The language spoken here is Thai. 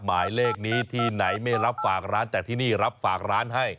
หมายเลขนี้ที่ไหนไม่รับฝากร้านแต่ที่นี่รับฝากร้านให้